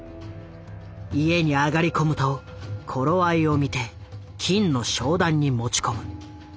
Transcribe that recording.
家に上がり込むと頃合いを見て金の商談に持ち込む。